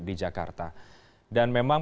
di jakarta dan memang